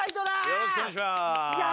よろしくお願いします。